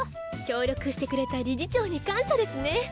協力してくれた理事長に感謝ですね。